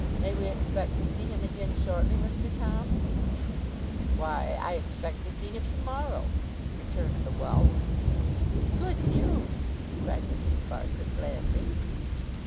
May we expect to see him again shortly, Mr. Tom?' 'Why, I expect to see him to morrow,' returned the whelp. 'Good news!' cried Mrs. Sparsit, blandly.